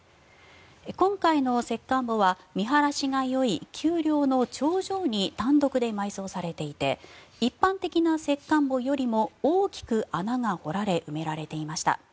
今回の石棺墓は見晴らしがよい丘陵の頂上に単独で埋葬されていて一般的な石棺墓よりも大きく穴が掘られ埋められていました。